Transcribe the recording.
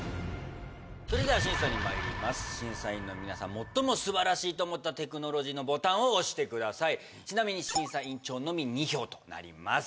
それでは審査にまいります審査員の皆さん最も素晴らしいと思ったテクノロジーのボタンを押してくださいちなみに審査員長のみ２票となります